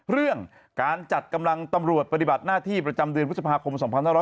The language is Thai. เรื่องการจัดกำลังตำรวจปฏิบัติหน้าที่ประจำเดือนพฤษภาคม๒๕๖๐